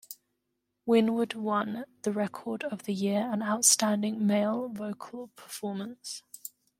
Winwood won the Record Of The Year and Outstanding Male Vocal Performance.